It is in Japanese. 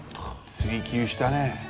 追求したね。